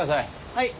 はい。